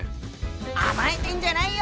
甘えてんじゃないよ！